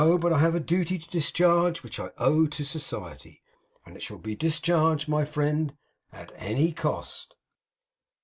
But I have a duty to discharge which I owe to society; and it shall be discharged, my friend, at any cost!